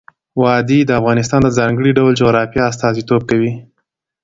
وادي د افغانستان د ځانګړي ډول جغرافیه استازیتوب کوي.